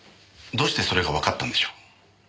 どうしてそれがわかったんでしょう？